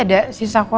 oke kita makan dulu ya